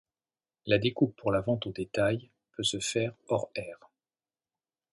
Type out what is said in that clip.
La découpe pour la vente au détail peut se faire hors aire.